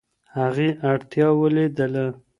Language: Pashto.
هغې اړتیا ولیدله.